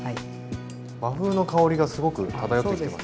和風の香りがすごく漂ってきてます。